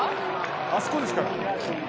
あそこですから。